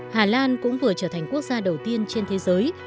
hà lan cũng vừa trở thành quốc gia đầu tiên trên thế giới